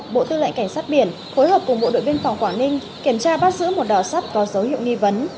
bộ tư lệnh cảnh sát biển hối hợp cùng bộ đội biên phòng quảng ninh kiểm tra bắt giữ một đỏ sắt có dấu hiệu nghi vấn